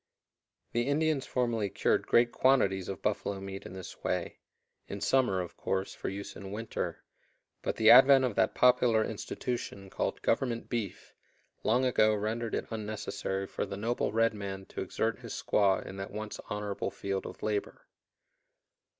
The Indians formerly cured great quantities of buffalo meat in this way in summer, of course, for use in winter but the advent of that popular institution called "Government beef" long ago rendered it unnecessary for the noble red man to exert his squaw in that once honorable field of labor.